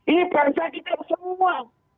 ini bangsa kita semua